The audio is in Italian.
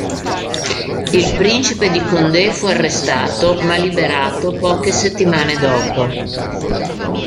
Il principe di Condé fu arrestato ma liberato poche settimane dopo.